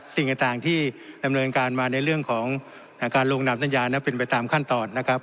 สิ่งต่างที่ดำเนินการมาในเรื่องของการลงนามสัญญานั้นเป็นไปตามขั้นตอนนะครับ